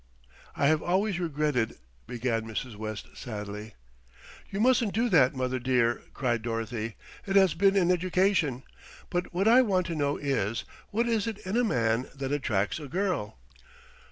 "I have always regretted," began Mrs. West sadly. "You mustn't do that, mother dear," cried Dorothy; "it has been an education. But what I want to know is, what is it in a man that attracts a girl?"